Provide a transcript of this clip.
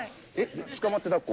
つかまってだっこ？